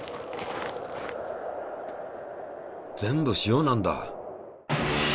全部塩なんだ。